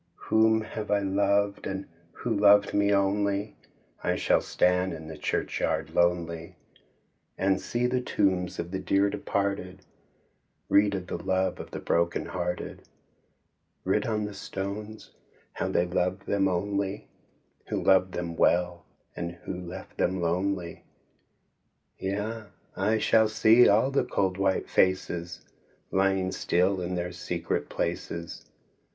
Whom have I loved, and who loved me only? I shall stand in the churchyard lonely, THE SAD YEARS LOVES ME? LOVES ME NOT? {Contvrmed) And see the tombs of the dear departed, Read of the love of the broken hearted Writ on the stones how they loved them only, Who loved them well and who left them lonely? Yea! I shall see all the cold white faces Lying so still in their secret places.